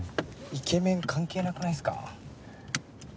イケメン関係なくないっすか？